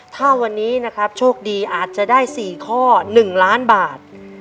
ถ้าวันนี้นะครับโชคดีอาจจะได้๔ข้อ๑ล้านบาท